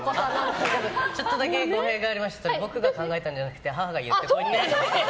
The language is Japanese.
ちょっとだけ語弊がありまして僕が考えたんじゃなくて母が言ったことで。